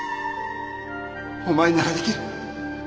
お前ならできる。